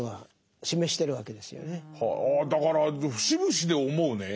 だから節々で思うね